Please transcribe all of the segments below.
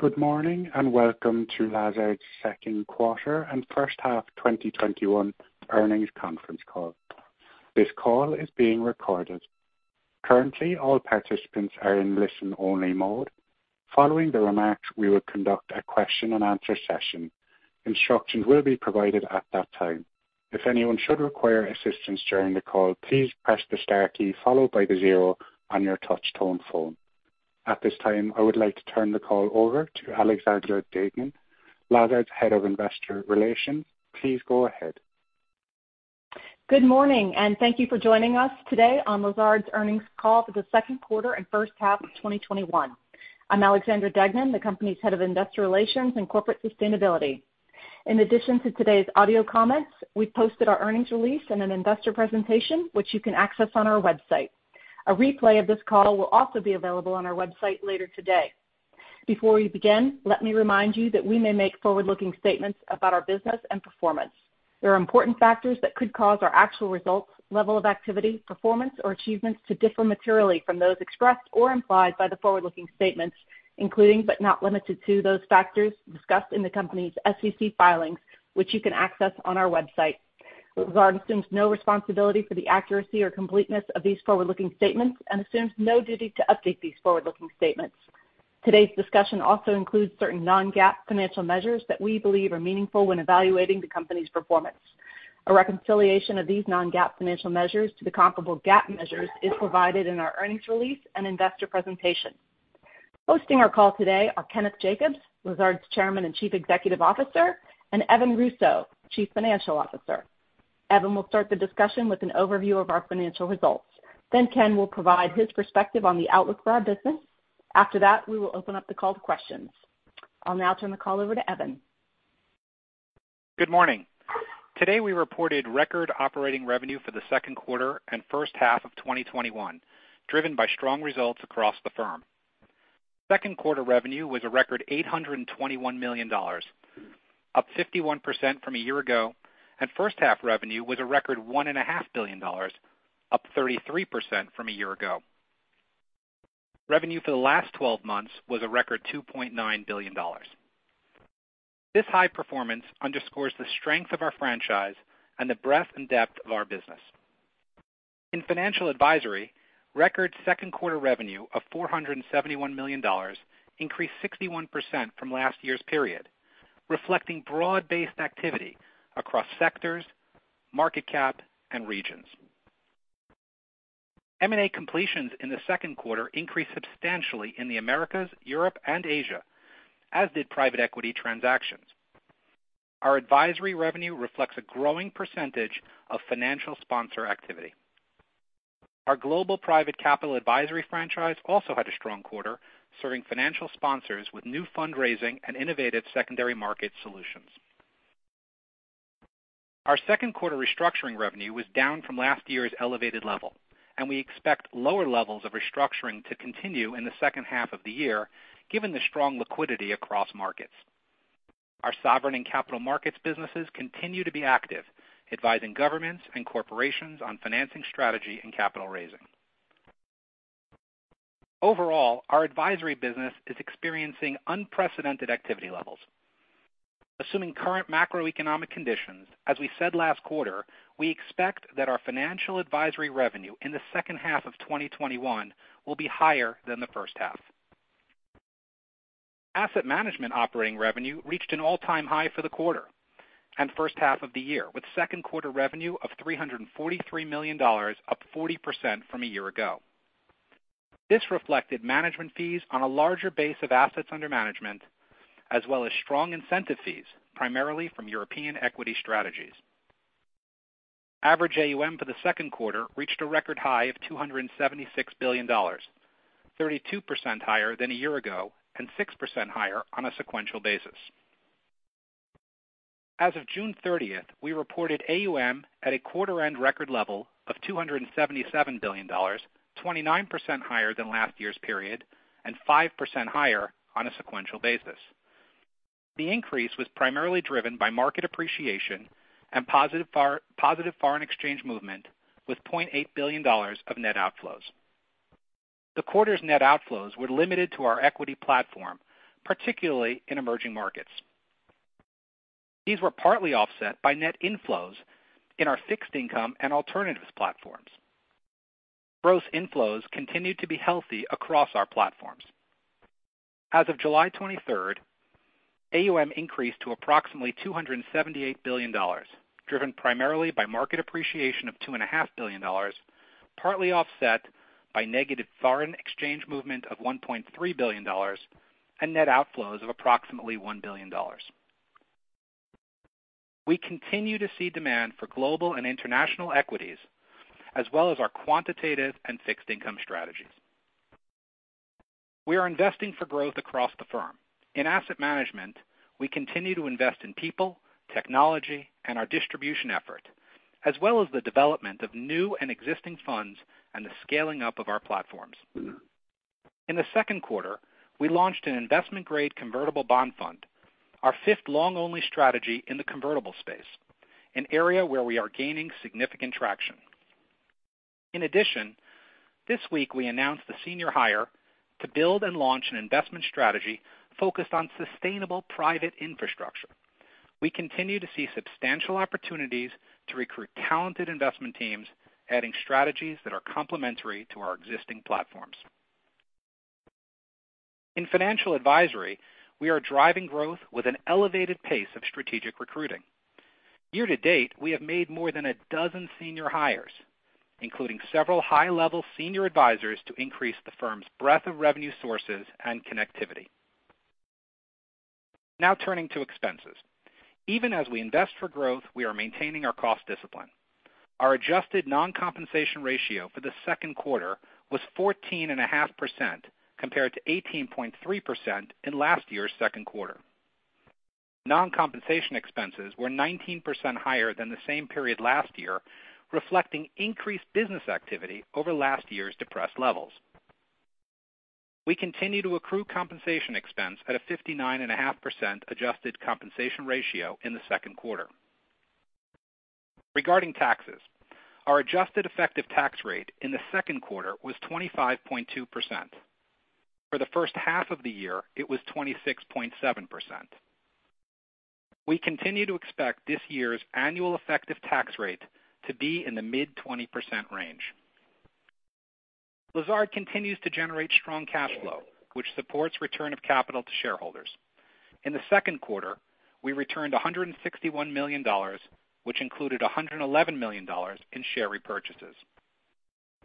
Good morning, and welcome to Lazard's second quarter and first half 2021 earnings conference call. This call is being recorded. Currently, all participants are in listen-only mode. Following the remarks, we will conduct a question and answer session. Instructions will be provided at that time. At this time, I would like to turn the call over to Alexandra Deignan, Lazard's Head of Investor Relations. Please go ahead. Good morning, and thank you for joining us today on Lazard's earnings call for the second quarter and first half of 2021. I'm Alexandra Deignan, the company's Head of Investor Relations and Corporate Sustainability. In addition to today's audio comments, we've posted our earnings release in an investor presentation, which you can access on our website. A replay of this call will also be available on our website later today. Before we begin, let me remind you that we may make forward-looking statements about our business and performance. There are important factors that could cause our actual results, level of activity, performance, or achievements to differ materially from those expressed or implied by the forward-looking statements, including, but not limited to, those factors discussed in the company's SEC filings, which you can access on our website. Lazard assumes no responsibility for the accuracy or completeness of these forward-looking statements and assumes no duty to update these forward-looking statements. Today's discussion also includes certain non-GAAP financial measures that we believe are meaningful when evaluating the company's performance. A reconciliation of these non-GAAP financial measures to the comparable GAAP measures is provided in our earnings release and investor presentation. Hosting our call today are Kenneth Jacobs, Lazard's Chairman and Chief Executive Officer, and Evan Russo, Chief Financial Officer. Evan will start the discussion with an overview of our financial results. Ken will provide his perspective on the outlook for our business. After that, we will open up the call to questions. I'll now turn the call over to Evan. Good morning. Today we reported record operating revenue for the second quarter and first half of 2021, driven by strong results across the firm. Second quarter revenue was a record $821 million, up 51% from a year ago, and first half revenue was a record $1.5 billion, up 33% from a year ago. Revenue for the last 12 months was a record $2.9 billion. This high performance underscores the strength of our franchise and the breadth and depth of our business. In Financial Advisory, record second quarter revenue of $471 million increased 61% from last year's period, reflecting broad-based activity across sectors, market cap, and regions. M&A completions in the second quarter increased substantially in the Americas, Europe, and Asia, as did private equity transactions. Our advisory revenue reflects a growing percentage of financial sponsor activity. Our global private capital advisory franchise also had a strong quarter, serving financial sponsors with new fundraising and innovative secondary market solutions. Our second quarter restructuring revenue was down from last year's elevated level, and we expect lower levels of restructuring to continue in the second half of the year given the strong liquidity across markets. Our sovereign and capital markets businesses continue to be active, advising governments and corporations on financing strategy and capital raising. Overall, our Advisory business is experiencing unprecedented activity levels. Assuming current macroeconomic conditions, as we said last quarter, we expect that our Financial Advisory revenue in the second half of 2021 will be higher than the first half. Asset Management operating revenue reached an all-time high for the quarter and first half of the year, with second quarter revenue of $343 million, up 40% from a year ago. This reflected management fees on a larger base of assets under management, as well as strong incentive fees, primarily from European equity strategies. Average AUM for the second quarter reached a record high of $276 billion, 32% higher than a year ago and 6% higher on a sequential basis. As of June 30th, we reported AUM at a quarter-end record level of $277 billion, 29% higher than last year's period and 5% higher on a sequential basis. The increase was primarily driven by market appreciation and positive foreign exchange movement with $0.8 billion of net outflows. The quarter's net outflows were limited to our equity platform, particularly in emerging markets. These were partly offset by net inflows in our fixed income and alternatives platforms. Gross inflows continued to be healthy across our platforms. As of July 23rd, AUM increased to approximately $278 billion, driven primarily by market appreciation of $2.5 billion, partly offset by negative foreign exchange movement of $1.3 billion and net outflows of approximately $1 billion. We continue to see demand for global and international equities as well as our quantitative and fixed income strategies. We are investing for growth across the firm. In Asset Management, we continue to invest in people, technology, and our distribution effort, as well as the development of new and existing funds and the scaling up of our platforms. In the second quarter, we launched an investment-grade convertible bond fund, our fifth long-only strategy in the convertible space, an area where we are gaining significant traction. In addition, this week we announced the senior hire to build and launch an investment strategy focused on sustainable private infrastructure. We continue to see substantial opportunities to recruit talented investment teams, adding strategies that are complementary to our existing platforms. In Financial Advisory, we are driving growth with an elevated pace of strategic recruiting. Year to date, we have made more than 12 senior hires, including several high-level senior advisors to increase the firm's breadth of revenue sources and connectivity. Turning to expenses. Even as we invest for growth, we are maintaining our cost discipline. Our adjusted non-compensation ratio for the second quarter was 14.5%, compared to 18.3% in last year's second quarter. Non-compensation expenses were 19% higher than the same period last year, reflecting increased business activity over last year's depressed levels. We continue to accrue compensation expense at a 59.5% adjusted compensation ratio in the second quarter. Regarding taxes, our adjusted effective tax rate in the second quarter was 25.2%. For the first half of the year, it was 26.7%. We continue to expect this year's annual effective tax rate to be in the mid-20% range. Lazard continues to generate strong cash flow, which supports return of capital to shareholders. In the second quarter, we returned $161 million, which included $111 million in share repurchases.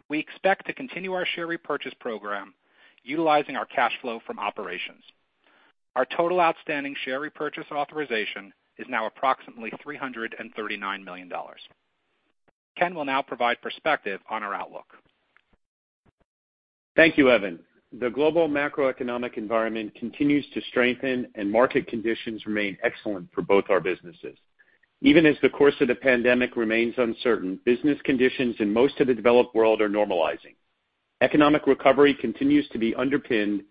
We expect to continue our share repurchase program utilizing our cash flow from operations. Our total outstanding share repurchase authorization is now approximately $339 million. Ken will now provide perspective on our outlook. Thank you, Evan. The global macroeconomic environment continues to strengthen and market conditions remain excellent for both our businesses. Even as the course of the pandemic remains uncertain, business conditions in most of the developed world are normalizing. Economic recovery continues to be underpinned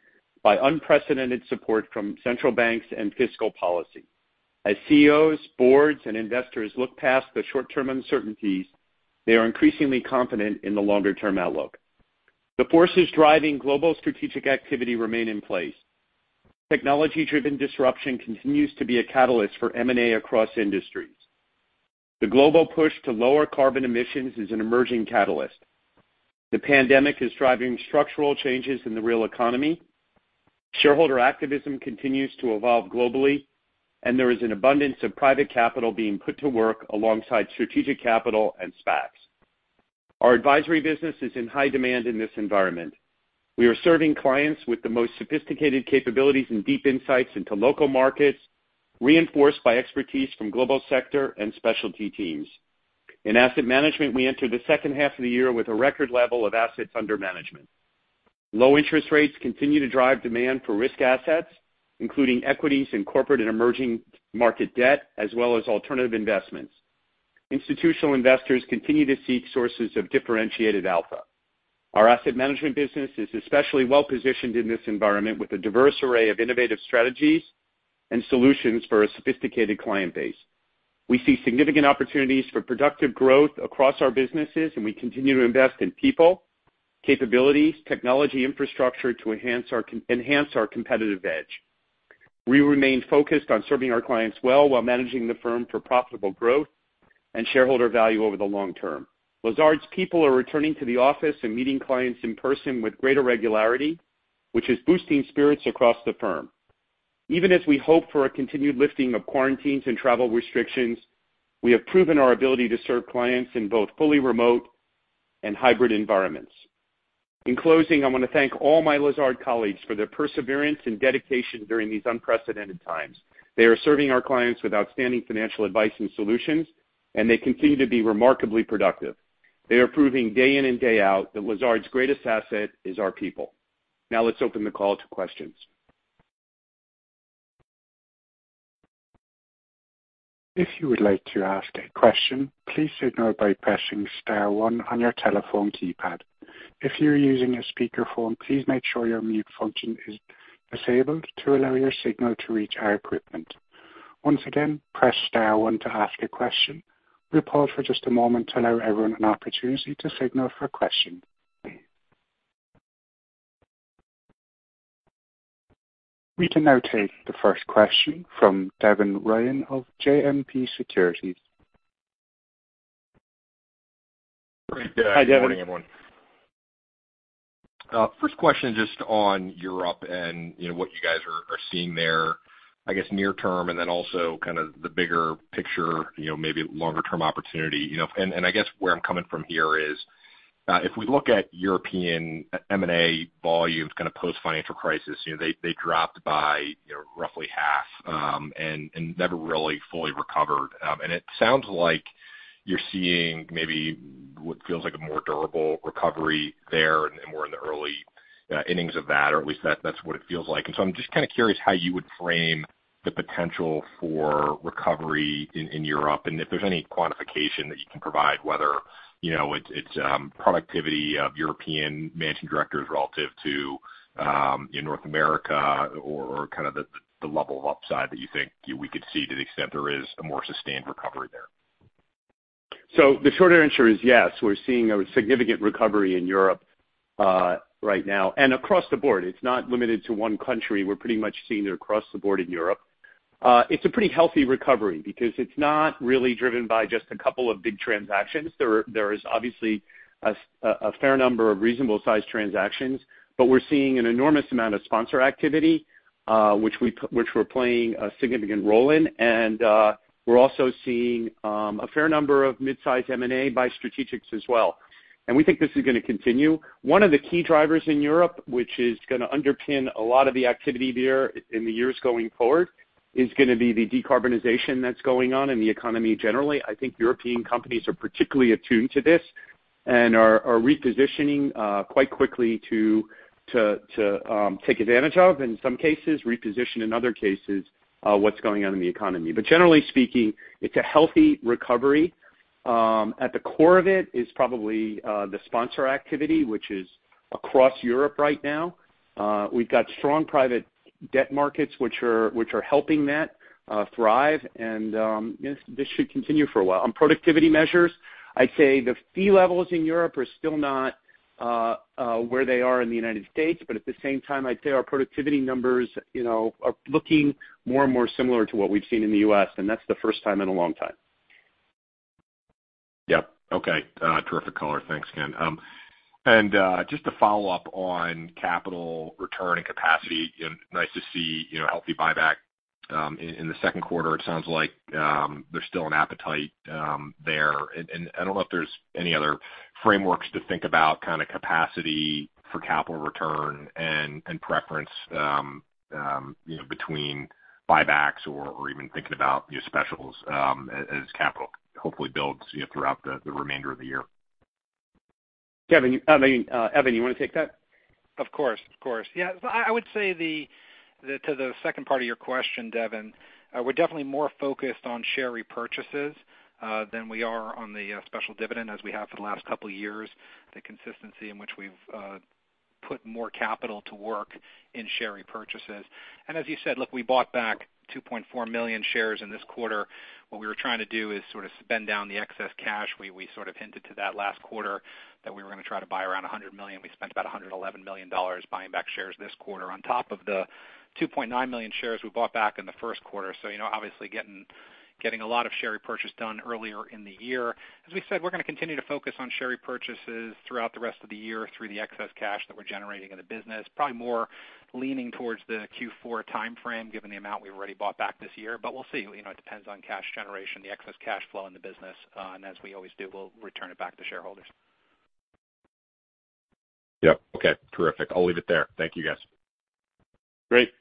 by unprecedented support from central banks and fiscal policy. As CEOs, boards, and investors look past the short-term uncertainties, they are increasingly confident in the longer-term outlook. The forces driving global strategic activity remain in place. Technology-driven disruption continues to be a catalyst for M&A across industries. The global push to lower carbon emissions is an emerging catalyst. The pandemic is driving structural changes in the real economy. Shareholder activism continues to evolve globally, and there is an abundance of private capital being put to work alongside strategic capital and SPACs. Our advisory business is in high demand in this environment. We are serving clients with the most sophisticated capabilities and deep insights into local markets, reinforced by expertise from global sector and specialty teams. In Asset Management, we enter the second half of the year with a record level of assets under management. Low interest rates continue to drive demand for risk assets, including equities and corporate and emerging market debt, as well as alternative investments. Institutional investors continue to seek sources of differentiated alpha. Our Asset Management business is especially well-positioned in this environment, with a diverse array of innovative strategies and solutions for a sophisticated client base. We see significant opportunities for productive growth across our businesses, and we continue to invest in people, capabilities, technology infrastructure to enhance our competitive edge. We remain focused on serving our clients well while managing the firm for profitable growth and shareholder value over the long term. Lazard's people are returning to the office and meeting clients in person with greater regularity, which is boosting spirits across the firm. Even as we hope for a continued lifting of quarantines and travel restrictions, we have proven our ability to serve clients in both fully remote and hybrid environments. In closing, I want to thank all my Lazard colleagues for their perseverance and dedication during these unprecedented times. They are serving our clients with outstanding financial advice and solutions, and they continue to be remarkably productive. They are proving day in and day out that Lazard's greatest asset is our people. Let's open the call to questions. We can now take the first question from Devin Ryan of JMP Securities. Hi, Devin. Great. Good morning, everyone. First question just on Europe and what you guys are seeing there, I guess near term and then also kind of the bigger picture, maybe longer-term opportunity. I guess where I'm coming from here is, if we look at European M&A volumes kind of post-financial crisis, they dropped by roughly half and never really fully recovered. It sounds like you're seeing maybe what feels like a more durable recovery there, and we're in the early innings of that, or at least that's what it feels like. I'm just kind of curious how you would frame the potential for recovery in Europe, and if there's any quantification that you can provide, whether it's productivity of European managing directors relative to North America or kind of the level of upside that you think we could see to the extent there is a more sustained recovery? The short answer is yes, we're seeing a significant recovery in Europe right now. Across the board, it's not limited to one country. We're pretty much seeing it across the board in Europe. It's a pretty healthy recovery because it's not really driven by just a couple of big transactions. There is obviously a fair number of reasonable-sized transactions, but we're seeing an enormous amount of sponsor activity, which we're playing a significant role in, and we're also seeing a fair number of mid-size M&A by strategics as well. We think this is going to continue. One of the key drivers in Europe, which is going to underpin a lot of the activity there in the years going forward, is going to be the decarbonization that's going on in the economy generally. I think European companies are particularly attuned to this and are repositioning quite quickly to take advantage of, in some cases, reposition in other cases, what's going on in the economy. But generally speaking, it's a healthy recovery. At the core of it is probably the sponsor activity, which is across Europe right now. We've got strong private debt markets which are helping that thrive and this should continue for a while. On productivity measures, I'd say the fee levels in Europe are still not where they are in the United States, but at the same time, I'd say our productivity numbers are looking more and more similar to what we've seen in the U.S., and that's the first time in a long time. Yep. Okay. Terrific color. Thanks, Ken. Just to follow up on capital return and capacity, nice to see healthy buyback in the second quarter. It sounds like there's still an appetite there. I don't know if there's any other frameworks to think about capacity for capital return and preference between buybacks or even thinking about your specials as capital hopefully builds throughout the remainder of the year. Evan, you want to take that? Of course. Yeah. I would say to the second part of your question, Devin, we're definitely more focused on share repurchases than we are on the special dividend, as we have for the last couple of years, the consistency in which we've put more capital to work in share repurchases. As you said, look, we bought back 2.4 million shares in this quarter. What we were trying to do is sort of spend down the excess cash. We sort of hinted to that last quarter that we were going to try to buy around $100 million. We spent about $111 million buying back shares this quarter on top of the 2.9 million shares we bought back in the first quarter. Obviously getting a lot of share repurchase done earlier in the year. As we said, we're going to continue to focus on share repurchases throughout the rest of the year through the excess cash that we're generating in the business. Probably more leaning towards the Q4 timeframe, given the amount we've already bought back this year. We'll see. It depends on cash generation, the excess cash flow in the business, and as we always do, we'll return it back to shareholders. Yep. Okay. Terrific. I'll leave it there. Thank you, guys. Great.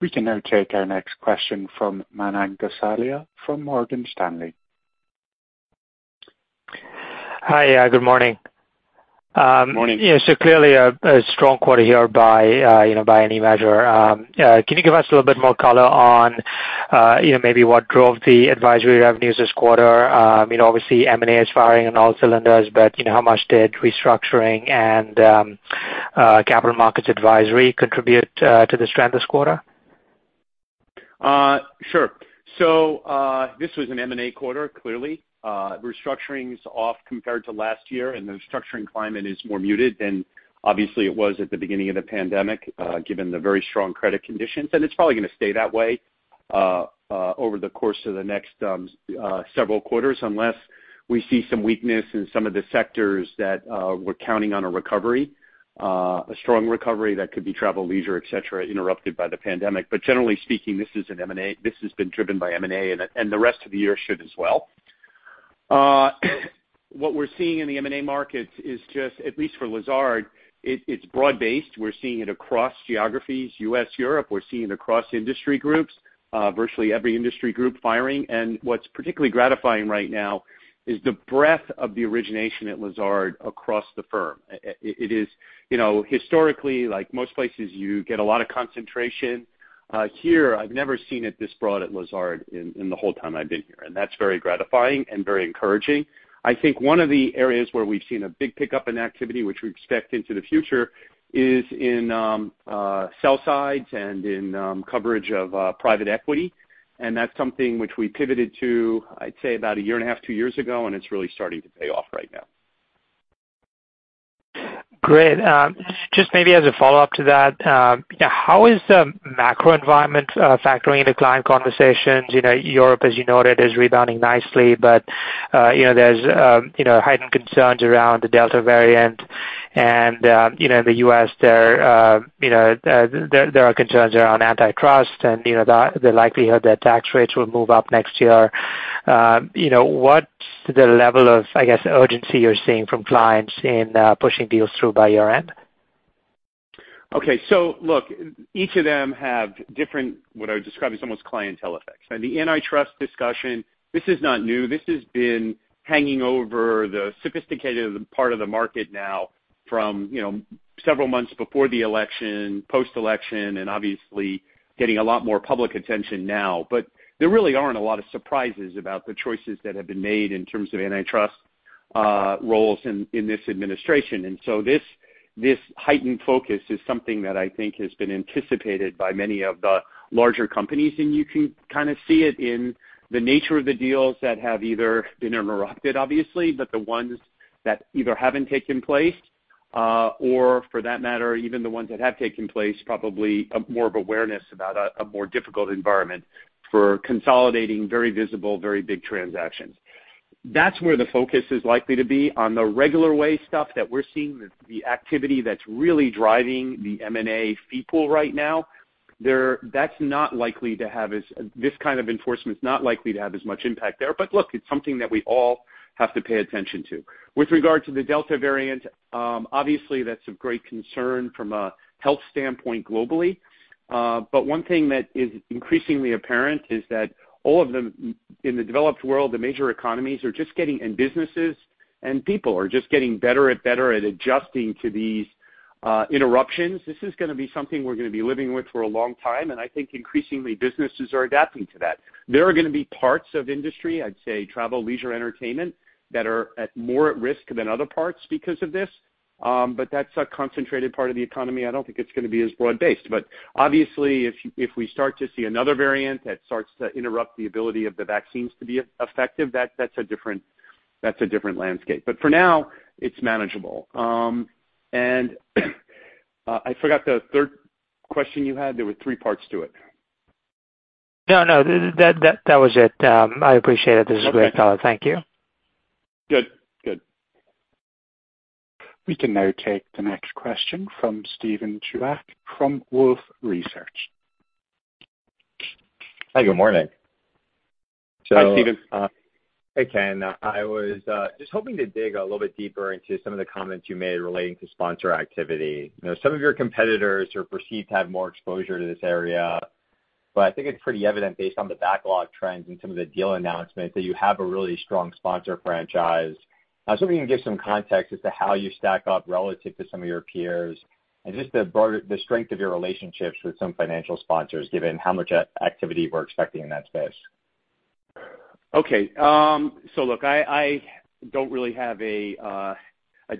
We can now take our next question from Manan Gosalia from Morgan Stanley. Hi. Good morning. Morning. Yeah. Clearly a strong quarter here by any measure. Can you give us a little bit more color on maybe what drove the Advisory revenues this quarter? Obviously M&A is firing on all cylinders, but how much did restructuring and capital markets Advisory contribute to the strength this quarter? Sure. This was an M&A quarter, clearly. Restructuring is off compared to last year, and the restructuring climate is more muted than obviously it was at the beginning of the pandemic, given the very strong credit conditions. It's probably going to stay that way over the course of the next several quarters, unless we see some weakness in some of the sectors that we're counting on a recovery, a strong recovery that could be travel, leisure, et cetera, interrupted by the pandemic. Generally speaking, this has been driven by M&A, and the rest of the year should as well. What we're seeing in the M&A markets is just, at least for Lazard, it's broad-based. We're seeing it across geographies, U.S., Europe. We're seeing it across industry groups. Virtually every industry group firing. What's particularly gratifying right now is the breadth of the origination at Lazard across the firm. Historically, like most places, you get a lot of concentration. Here, I've never seen it this broad at Lazard in the whole time I've been here, and that's very gratifying and very encouraging. I think one of the areas where we've seen a big pickup in activity, which we expect into the future, is in sell sides and in coverage of private equity. That's something which we pivoted to, I'd say, about a year and a half, two years ago, and it's really starting to pay off right now. Great. Just maybe as a follow-up to that, how is the macro environment factoring into client conversations? Europe, as you noted, is rebounding nicely, but there's heightened concerns around the Delta variant. In the U.S., there are concerns around antitrust and the likelihood that tax rates will move up next year. What's the level of, I guess, urgency you're seeing from clients in pushing deals through by year-end? Okay. Look, each of them have different, what I would describe as almost clientele effects. The antitrust discussion, this is not new. This has been hanging over the sophisticated part of the market now from several months before the election, post-election, and obviously getting a lot more public attention now. There really aren't a lot of surprises about the choices that have been made in terms of antitrust roles in this administration. This heightened focus is something that I think has been anticipated by many of the larger companies, and you can kind of see it in the nature of the deals that have either been interrupted, obviously, but the ones that either haven't taken place or for that matter, even the ones that have taken place, probably more of awareness about a more difficult environment for consolidating very visible, very big transactions. That's where the focus is likely to be. On the regular way stuff that we're seeing, the activity that's really driving the M&A fee pool right now, this kind of enforcement is not likely to have as much impact there. Look, it's something that we all have to pay attention to. With regard to the Delta variant, obviously that's of great concern from a health standpoint globally. One thing that is increasingly apparent is that all of them in the developed world, the major economies and businesses, and people are just getting better and better at adjusting to these interruptions. This is going to be something we're going to be living with for a long time, and I think increasingly, businesses are adapting to that. There are going to be parts of industry, I'd say travel, leisure, entertainment, that are more at risk than other parts because of this. That's a concentrated part of the economy. I don't think it's going to be as broad-based. Obviously, if we start to see another variant that starts to interrupt the ability of the vaccines to be effective, that's a different landscape. For now, it's manageable. I forgot the third question you had. There were three parts to it. No, that was it. I appreciate it. This was great color. Thank you. Good. We can now take the next question from Steven Chubak from Wolfe Research. Hi, good morning. Hi, Steven. Hey, Ken. I was just hoping to dig a little bit deeper into some of the comments you made relating to sponsor activity. Some of your competitors are perceived to have more exposure to this area, but I think it's pretty evident based on the backlog trends and some of the deal announcements that you have a really strong sponsor franchise. I was hoping you can give some context as to how you stack up relative to some of your peers and just the strength of your relationships with some financial sponsors, given how much activity we're expecting in that space. Okay. Look, I don't really have a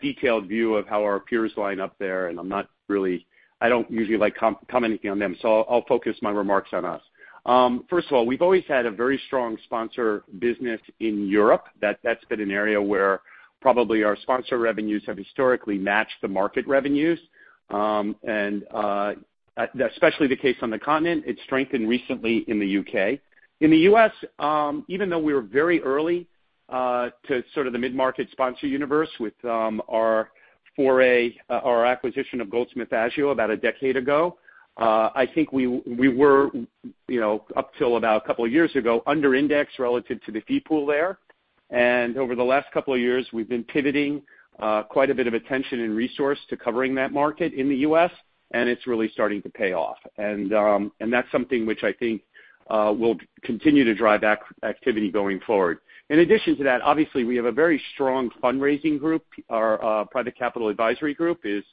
detailed view of how our peers line up there, and I don't usually like commenting on them, so I'll focus my remarks on us. First of all, we've always had a very strong sponsor business in Europe. That's been an area where probably our sponsor revenues have historically matched the market revenues. Especially the case on the continent, it strengthened recently in the U.K. In the U.S., even though we were very early to sort of the mid-market sponsor universe with our acquisition of Goldsmith Agio about a decade ago, I think we were up till about a couple of years ago, under-indexed relative to the fee pool there. Over the last couple of years, we've been pivoting quite a bit of attention and resource to covering that market in the U.S., and it's really starting to pay off. That's something which I think will continue to drive activity going forward. In addition to that, obviously, we have a very strong fundraising group. Our private capital advisory group is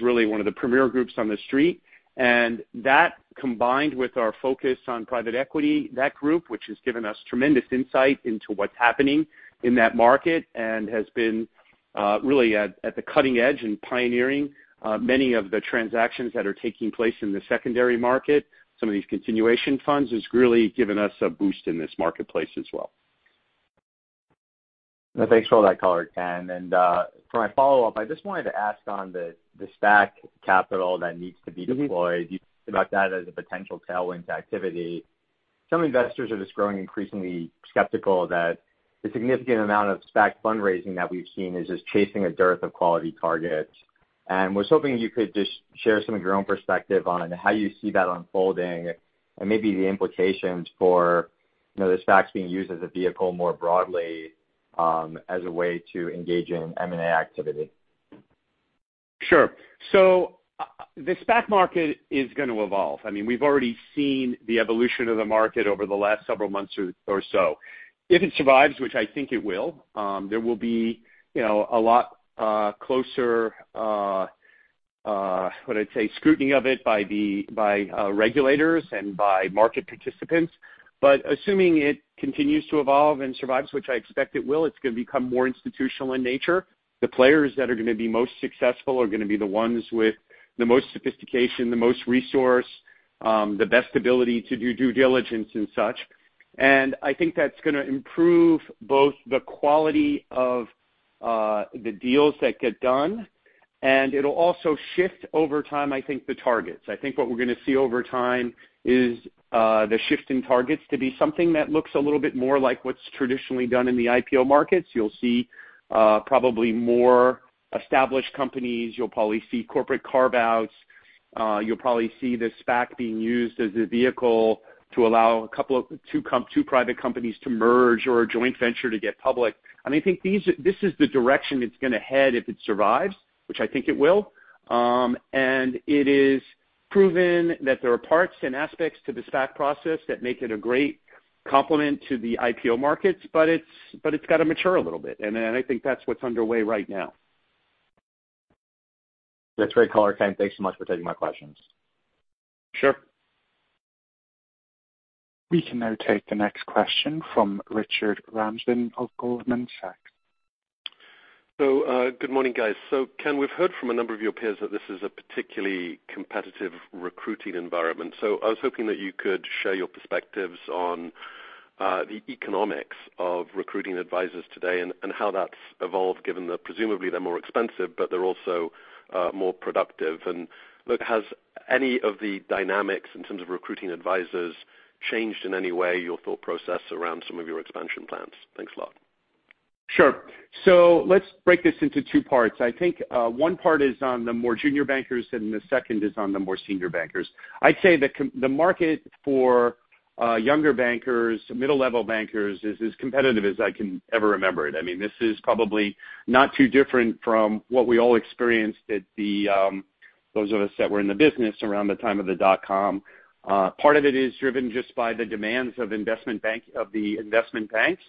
really one of the premier groups on The Street, and that combined with our focus on private equity, that group, which has given us tremendous insight into what's happening in that market and has been really at the cutting edge in pioneering many of the transactions that are taking place in the secondary market, some of these continuation funds, has really given us a boost in this marketplace as well. Thanks for all that color, Ken. For my follow-up, I just wanted to ask on the SPAC capital that needs to be deployed. You talked about that as a potential tailwind to activity. Some investors are just growing increasingly skeptical that the significant amount of SPAC fundraising that we've seen is just chasing a dearth of quality targets. Was hoping you could just share some of your own perspective on how you see that unfolding and maybe the implications for the SPACs being used as a vehicle more broadly as a way to engage in M&A activity. Sure. The SPAC market is going to evolve. I mean, we've already seen the evolution of the market over the last several months or so. If it survives, which I think it will, there will be a lot closer, would I say, scrutiny of it by regulators and by market participants. Assuming it continues to evolve and survives, which I expect it will, it's going to become more institutional in nature. The players that are going to be most successful are going to be the ones with the most sophistication, the most resource, the best ability to do due diligence and such. I think that's going to improve both the quality of the deals that get done, and it'll also shift over time, I think, the targets. I think what we're going to see over time is the shift in targets to be something that looks a little bit more like what's traditionally done in the IPO markets. You'll see probably more established companies. You'll probably see corporate carve-outs. You'll probably see the SPAC being used as a vehicle to allow two private companies to merge or a joint venture to get public. I think this is the direction it's going to head if it survives, which I think it will. It is proven that there are parts and aspects to the SPAC process that make it a great complement to the IPO markets, but it's got to mature a little bit, and I think that's what's underway right now. That's great color, Ken. Thanks so much for taking my questions. Sure. We can now take the next question from Richard Ramsden of Goldman Sachs. Good morning, guys. Ken, we've heard from a number of your peers that this is a particularly competitive recruiting environment. I was hoping that you could share your perspectives on the economics of recruiting advisors today and how that's evolved, given that presumably they're more expensive, but they're also more productive. Look, has any of the dynamics in terms of recruiting advisors changed in any way, your thought process around some of your expansion plans? Thanks a lot. Sure. Let's break this into two parts. I think one part is on the more junior bankers, and the second is on the more senior bankers. I'd say the market for younger bankers, middle-level bankers, is as competitive as I can ever remember it. This is probably not too different from what we all experienced, those of us that were in the business around the time of the dotcom. Part of it is driven just by the demands of the investment banks,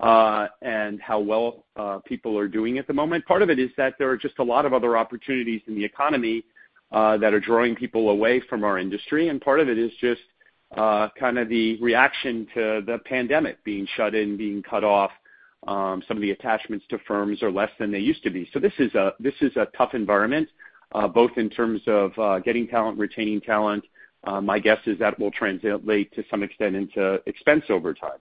and how well people are doing at the moment. Part of it is that there are just a lot of other opportunities in the economy that are drawing people away from our industry. Part of it is just the reaction to the pandemic, being shut in, being cut off. Some of the attachments to firms are less than they used to be. This is a tough environment, both in terms of getting talent, retaining talent. My guess is that will translate to some extent into expense over time.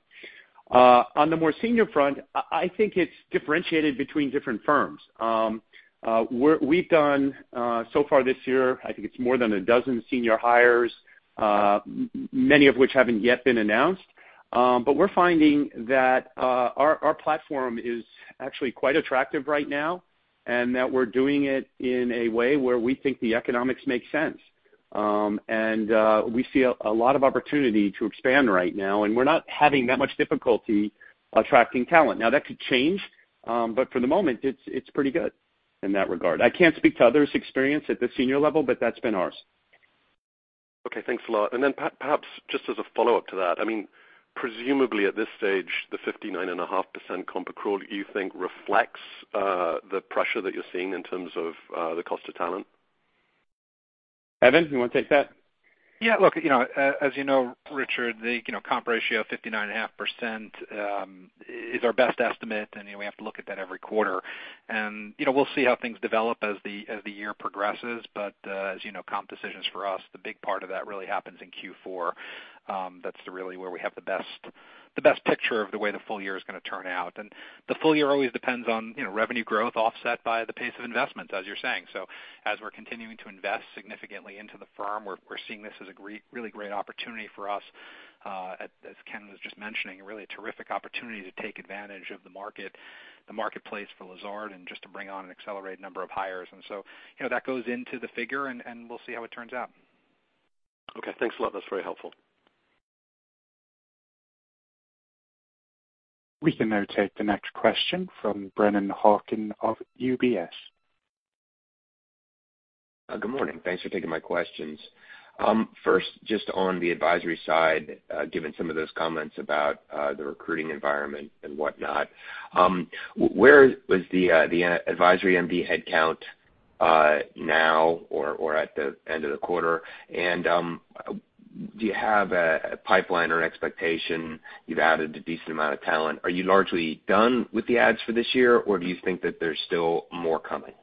On the more senior front, I think it's differentiated between different firms. We've done so far this year, I think it's more than 12 senior hires, many of which haven't yet been announced. We're finding that our platform is actually quite attractive right now, and that we're doing it in a way where we think the economics make sense. We see a lot of opportunity to expand right now, and we're not having that much difficulty attracting talent. That could change. For the moment, it's pretty good in that regard. I can't speak to others' experience at the senior level, but that's been ours. Okay, thanks a lot. Perhaps just as a follow-up to that, presumably at this stage, the 59.5% comp accrual, do you think reflects the pressure that you're seeing in terms of the cost of talent? Evan, do you want to take that? Yeah. As you know, Richard, the comp ratio 59.5% is our best estimate. We have to look at that every quarter. We'll see how things develop as the year progresses. As you know, comp decisions for us, the big part of that really happens in Q4. That's really where we have the best picture of the way the full year is going to turn out. The full year always depends on revenue growth offset by the pace of investments, as you're saying. As we're continuing to invest significantly into the firm, we're seeing this as a really great opportunity for us. As Ken was just mentioning, really a terrific opportunity to take advantage of the marketplace for Lazard and just to bring on an accelerated number of hires. That goes into the figure, and we'll see how it turns out. Okay, thanks a lot. That's very helpful. We can now take the next question from Brennan Hawken of UBS. Good morning. Thanks for taking my questions. First, just on the advisory side, given some of those comments about the recruiting environment and whatnot. Where was the advisory MD headcount now or at the end of the quarter? Do you have a pipeline or an expectation you've added a decent amount of talent? Are you largely done with the ads for this year, or do you think that there's still more coming?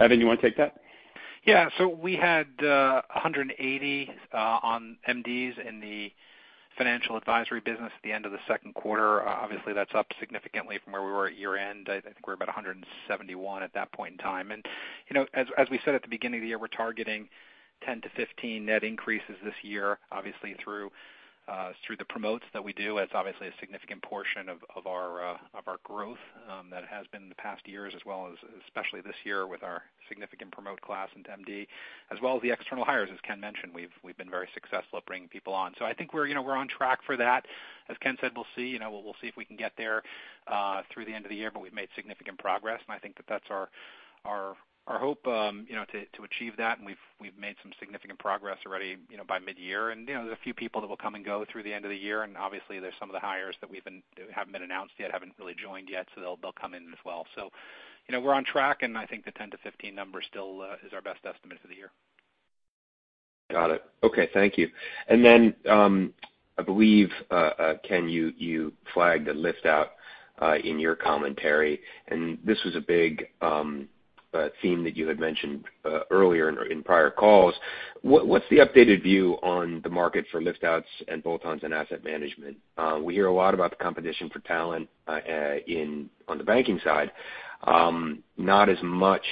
Evan, you want to take that? Yeah. We had 180 MDs in the Financial Advisory business at the end of the second quarter. Obviously, that's up significantly from where we were at year-end. I think we were about 171 at that point in time. As we said at the beginning of the year, we're targeting 10 to 15 net increases this year, obviously through the promotes that we do. That's obviously a significant portion of our growth. That has been in the past years as well, especially this year with our significant promote class into MD, as well as the external hires. As Ken mentioned, we've been very successful at bringing people on. I think we're on track for that. As Ken said, we'll see if we can get there through the end of the year, but we've made significant progress, and I think that that's our hope to achieve that. We've made some significant progress already by mid-year. There's a few people that will come and go through the end of the year, and obviously there's some of the hires that haven't been announced yet, haven't really joined yet, so they'll come in as well. We're on track, and I think the 10-15 number still is our best estimate for the year. Got it. Okay. Thank you. I believe, Ken, you flagged a lift-out in your commentary, and this was a big theme that you had mentioned earlier in prior calls. What's the updated view on the market for lift-outs and bolt-ons in Asset Management? We hear a lot about the competition for talent on the banking side. Not as much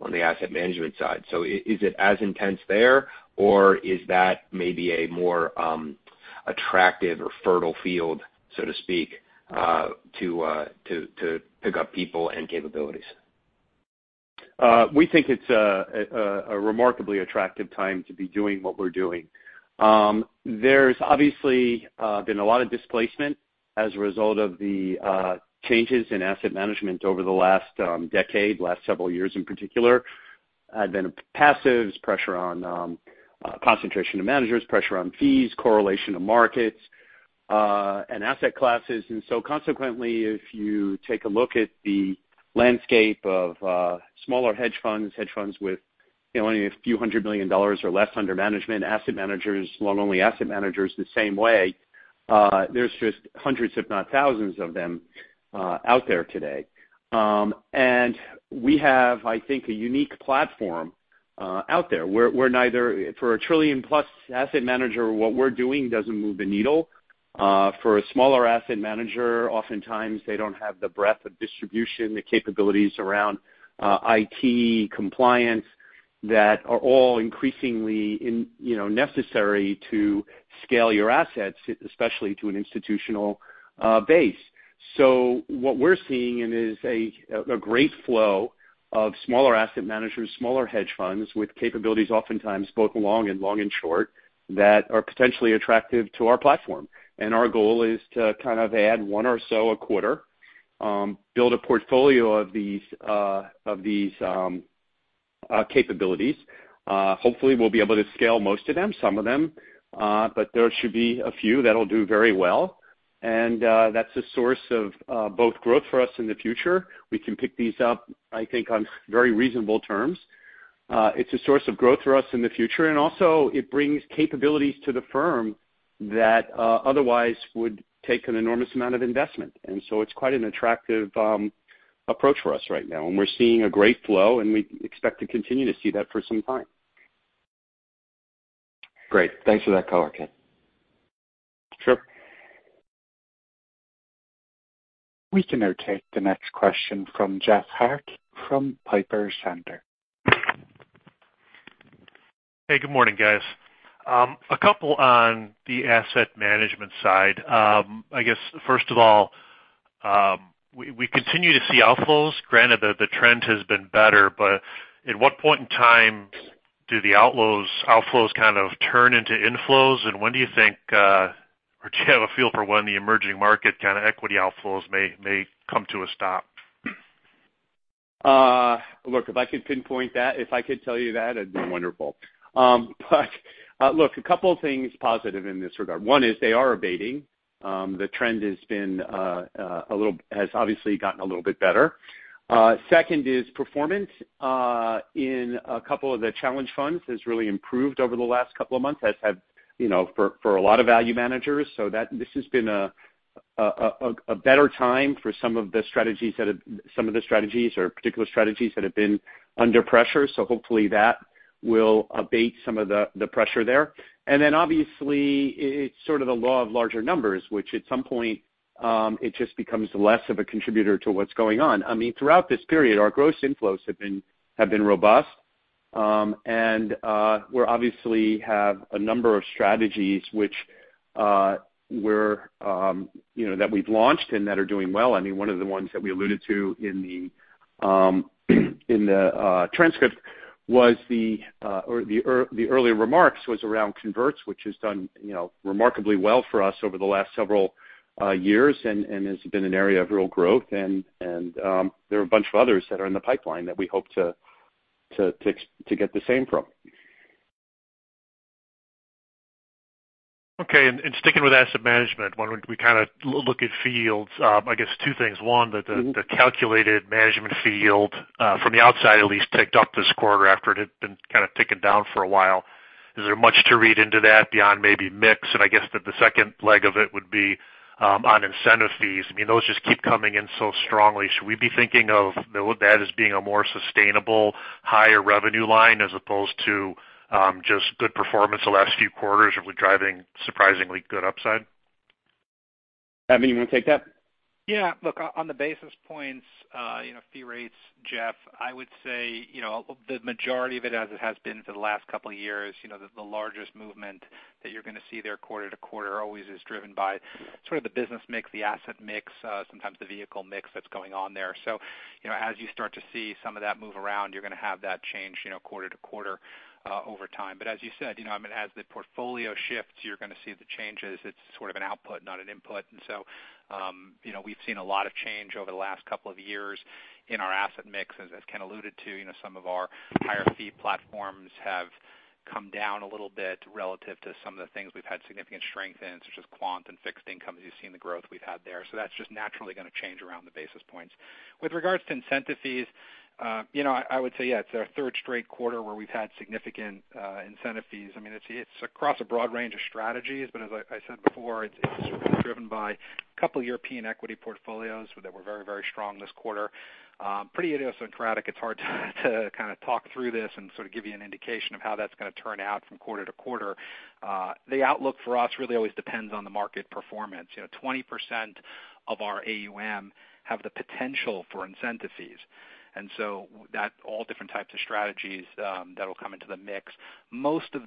on the Asset Management side. Is it as intense there, or is that maybe a more attractive or fertile field, so to speak, to pick up people and capabilities? We think it's a remarkably attractive time to be doing what we're doing. There's obviously been a lot of displacement as a result of the changes in asset management over the last decade, last several years in particular. There have been passives, pressure on concentration of managers, pressure on fees, correlation of markets, and asset classes. Consequently, if you take a look at the landscape of smaller hedge funds, hedge funds with only few hundred million or less under management. Asset managers, long only asset managers, the same way. There's just hundreds, if not thousands of them out there today. We have, I think, a unique platform out there. For a trillion-plus asset manager, what we're doing doesn't move the needle. For a smaller asset manager, oftentimes they don't have the breadth of distribution, the capabilities around IT compliance that are all increasingly necessary to scale your assets, especially to an institutional base. What we're seeing is a great flow of smaller asset managers, smaller hedge funds with capabilities oftentimes both long and short, that are potentially attractive to our platform. Our goal is to kind of add one or so a quarter, build a portfolio of these capabilities. Hopefully, we'll be able to scale most of them, some of them, but there should be a few that'll do very well. That's a source of both growth for us in the future. We can pick these up, I think, on very reasonable terms. It's a source of growth for us in the future, and also it brings capabilities to the firm that otherwise would take an enormous amount of investment. It's quite an attractive approach for us right now, and we're seeing a great flow, and we expect to continue to see that for some time. Great. Thanks for that color, Ken. Sure. We can now take the next question from Jeff Harte from Piper Sandler. Hey, good morning, guys. A couple on the Asset Management side. I guess, first of all, we continue to see outflows. Granted that the trend has been better, but at what point in time do the outflows kind of turn into inflows? When do you think, or do you have a feel for when the emerging market kind of equity outflows may come to a stop? Look, if I could pinpoint that, if I could tell you that, it'd be wonderful. Look, a couple things positive in this regard. One is they are abating. The trend has obviously gotten a little bit better. Second is performance in a couple of the challenged funds has really improved over the last couple of months. As have for a lot of value managers, this has been a better time for some of the strategies or particular strategies that have been under pressure. Hopefully that will abate some of the pressure there. Obviously, it's sort of the law of larger numbers, which at some point, it just becomes less of a contributor to what's going on. I mean, throughout this period, our gross inflows have been robust. We obviously have a number of strategies that we've launched and that are doing well. I mean, one of the ones that we alluded to in the transcript was the early remarks was around converts, which has done remarkably well for us over the last several years and has been an area of real growth. There are a bunch of others that are in the pipeline that we hope to get the same from. Okay, sticking with Asset Management, when we kind of look at yields, I guess two things. One, the calculated management fee yield, from the outside at least, ticked up this quarter after it had been kind of ticking down for a while. Is there much to read into that beyond maybe mix? I guess that the second leg of it would be on incentive fees. I mean, those just keep coming in so strongly. Should we be thinking of that as being a more sustainable, higher revenue line as opposed to just good performance the last few quarters, really driving surprisingly good upside? Evan, you want to take that? Yeah. Look, on the basis points, fee rates, Jeff, I would say the majority of it as it has been for the last couple of years, the largest movement that you're going to see there quarter-to-quarter always is driven by sort of the business mix, the asset mix, sometimes the vehicle mix that's going on there. As you start to see some of that move around, you're going to have that change quarter-to-quarter over time. As you said, as the portfolio shifts, you're going to see the changes. It's sort of an output, not an input. We've seen a lot of change over the last couple of years in our asset mix. As Ken alluded to, some of our higher fee platforms have come down a little bit relative to some of the things we've had significant strength in, such as quant and fixed income, as you've seen the growth we've had there. That's just naturally going to change around the basis points. With regards to incentive fees, I would say, yeah, it's our third straight quarter where we've had significant incentive fees. I mean, it's across a broad range of strategies, but as I said before, it's driven by a couple European equity portfolios that were very, very strong this quarter. Pretty idiosyncratic. It's hard to kind of talk through this and sort of give you an indication of how that's going to turn out from quarter to quarter. The outlook for us really always depends on the market performance. 20% of our AUM have the potential for incentive fees. That all different types of strategies that'll come into the mix. Most of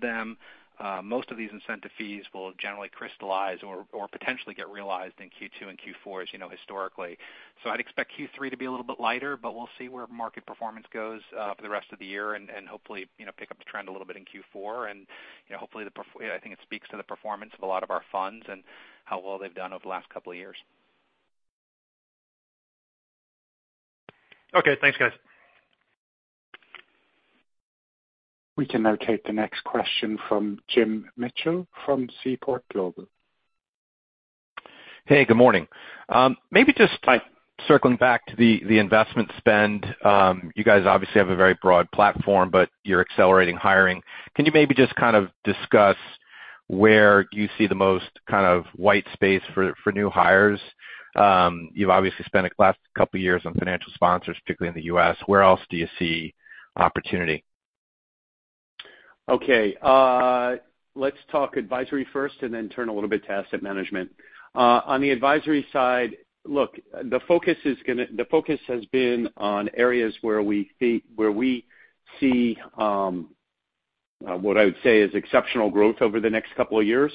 these incentive fees will generally crystallize or potentially get realized in Q2 and Q4, as you know historically. I'd expect Q3 to be a little bit lighter, but we'll see where market performance goes for the rest of the year and hopefully, pick up the trend a little bit in Q4. I think it speaks to the performance of a lot of our funds and how well they've done over the last couple of years. Okay. Thanks, guys. We can now take the next question from James Mitchell from Seaport Global. Hey, good morning. Maybe just circling back to the investment spend. You guys obviously have a very broad platform. You're accelerating hiring. Can you maybe just kind of discuss where you see the most kind of white space for new hires? You've obviously spent the last couple years on financial sponsors, particularly in the U.S. Where else do you see opportunity? Okay. Let's talk Advisory first and then turn a little bit to Asset Management. On the Advisory side, look, the focus has been on areas where we see what I would say is exceptional growth over the next couple of years,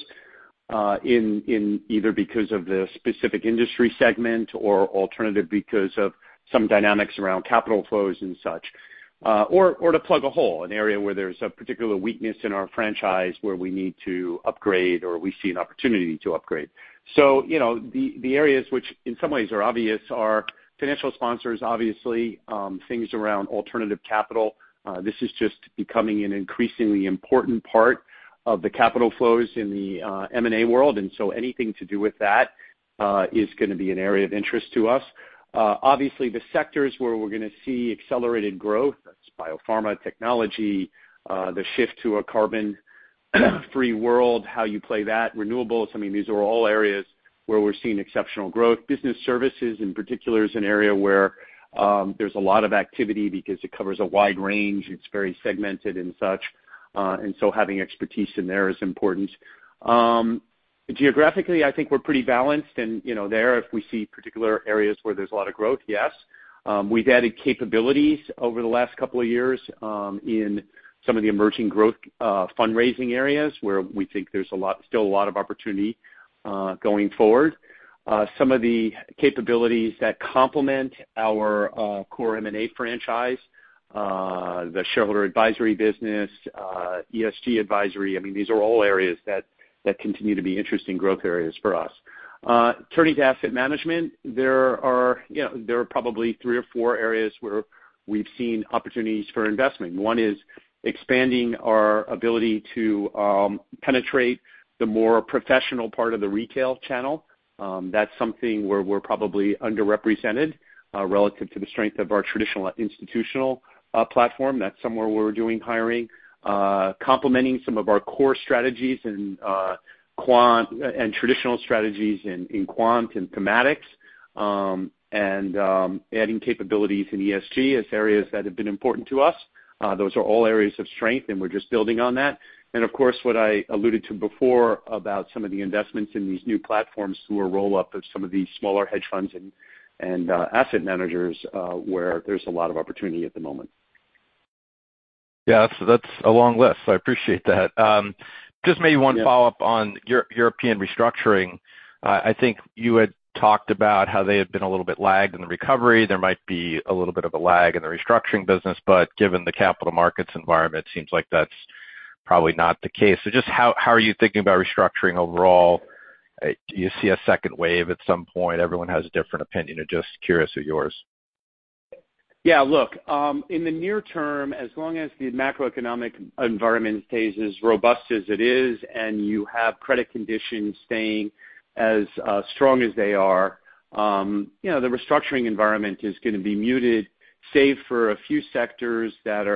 either because of the specific industry segment or alternative because of some dynamics around capital flows and such, or to plug a hole, an area where there's a particular weakness in our franchise where we need to upgrade or we see an opportunity to upgrade. The areas which in some ways are obvious are financial sponsors, obviously, things around alternative capital. This is just becoming an increasingly important part of the capital flows in the M&A world, anything to do with that is going to be an area of interest to us. Obviously, the sectors where we're going to see accelerated growth, that's biopharma, technology, the shift to a carbon-free world, how you play that, renewables. I mean, these are all areas where we're seeing exceptional growth. Business services, in particular, is an area where there's a lot of activity because it covers a wide range. It's very segmented and such, and so having expertise in there is important. Geographically, I think we're pretty balanced and there if we see particular areas where there's a lot of growth, yes. We've added capabilities over the last couple of years in some of the emerging growth fundraising areas where we think there's still a lot of opportunity going forward. Some of the capabilities that complement our core M&A franchise, the shareholder advisory business, ESG advisory, I mean, these are all areas that continue to be interesting growth areas for us. Turning to Asset Management, there are probably three or four areas where we've seen opportunities for investment. One is expanding our ability to penetrate the more professional part of the retail channel. That's something where we're probably underrepresented relative to the strength of our traditional institutional platform. That's somewhere where we're doing hiring. Complementing some of our core strategies and traditional strategies in quant and thematics, and adding capabilities in ESG as areas that have been important to us. Those are all areas of strength, and we're just building on that. Of course, what I alluded to before about some of the investments in these new platforms through a roll-up of some of these smaller hedge funds and asset managers, where there's a lot of opportunity at the moment. Yeah, that's a long list. I appreciate that. Just maybe one follow-up on European restructuring. I think you had talked about how they had been a little bit lagged in the recovery. There might be a little bit of a lag in the restructuring business, but given the capital markets environment, seems like that's probably not the case. Just how are you thinking about restructuring overall? Do you see a second wave at some point? Everyone has a different opinion. I'm just curious of yours. Yeah, look. In the near term, as long as the macroeconomic environment stays as robust as it is and you have credit conditions staying as strong as they are, the restructuring environment is going to be muted, save for a few sectors that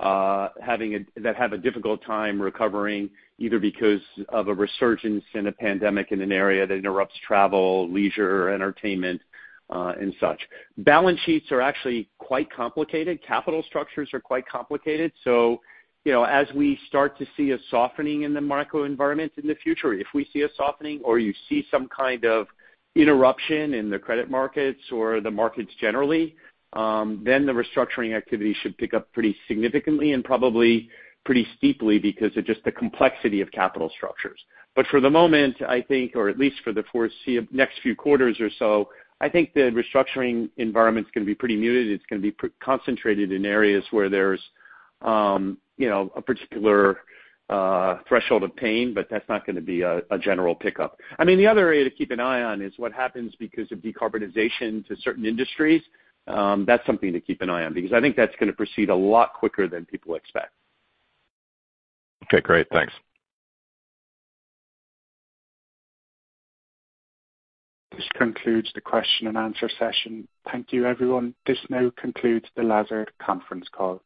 have a difficult time recovering, either because of a resurgence in a pandemic in an area that interrupts travel, leisure, entertainment, and such. Balance sheets are actually quite complicated. Capital structures are quite complicated. As we start to see a softening in the macro environment in the future, if we see a softening or you see some kind of interruption in the credit markets or the markets generally, then the restructuring activity should pick up pretty significantly and probably pretty steeply because of just the complexity of capital structures. For the moment, I think, or at least for the foreseeable next few quarters or so, I think the restructuring environment is going to be pretty muted. It's going to be concentrated in areas where there's a particular threshold of pain, but that's not going to be a general pickup. I mean, the other area to keep an eye on is what happens because of decarbonization to certain industries. That's something to keep an eye on because I think that's going to proceed a lot quicker than people expect. Okay, great. Thanks. This concludes the question and answer session. Thank you, everyone. This now concludes the Lazard conference call.